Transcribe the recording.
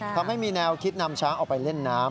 ทำให้มีแนวคิดนำช้างออกไปเล่นน้ำ